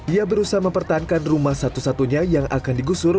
ia berusaha mempertahankan rumah satu satunya yang akan digusur